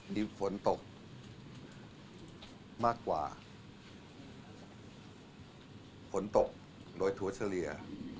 มีฝนตกมากกว่าฝนตกโดยถั่วเฉลี่ย